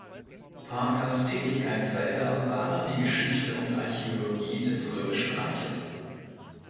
Parkers Tätigkeitsfelder waren die Geschichte und Archäologie des Römischen Reiches.